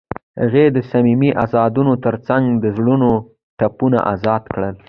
هغې د صمیمي اوازونو ترڅنګ د زړونو ټپونه آرام کړل.